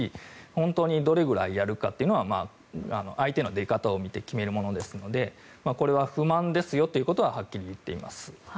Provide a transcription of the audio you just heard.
本当にどれくらいやるかは相手の出方を見て決めるものですのでこれは不満ですよということははっきり言っています。